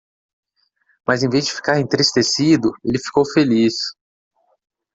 Mas em vez de ficar entristecido, ele ficou feliz.